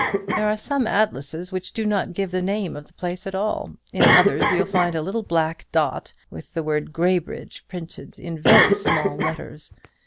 "There are some atlases which do not give the name of the place at all: in others you'll find a little black dot, with the word 'Graybridge' printed in very small letters.